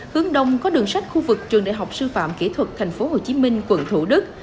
hướng đông có đường sách khu vực trường đại học sư phạm kỹ thuật tp hcm quận thủ đức